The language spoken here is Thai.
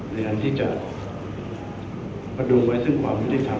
อย่างที่จะประดูกไว้ซึ่งความยุติธรรม